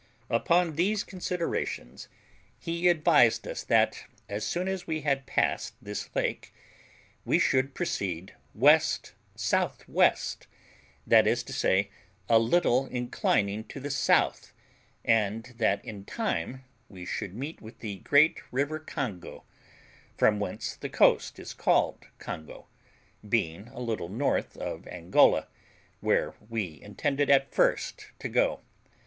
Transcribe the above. Upon these considerations he advised us that, as soon as we had passed this lake, we should proceed W.S.W., that is to say, a little inclining to the south, and that in time we should meet with the great river Congo, from whence the coast is called Congo, being a little north of Angola, where we intended at first to go.